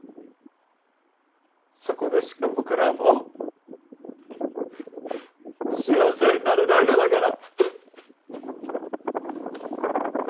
そこでしか僕らはもう幸せになれないのだから。